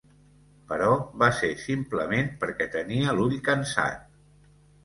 Però, va ser simplement perquè tenia l'ull cansat.